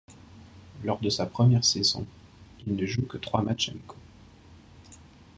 Lors de sa première saison, il ne joue que trois matchs amicaux.